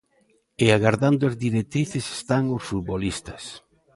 E agardando as directrices están os futbolistas.